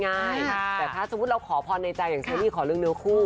แต่ถ้าสมมุติเราขอพรในใจอย่างเชอรี่ขอเรื่องเนื้อคู่